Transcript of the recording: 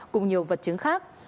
cùng nhiều vật chứng khác